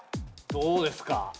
どうですか？